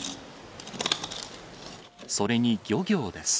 それに漁業です。